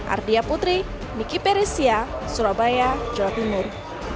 ardia putri miki peresia surabaya jawa timur